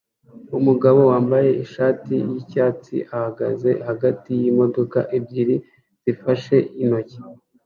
Umugabo wambaye ishati yicyatsi ahagaze hagati yimodoka ebyiri zifashe intoki